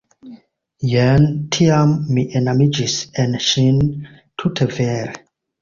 Jen tiam mi enamiĝis en ŝin tute vere.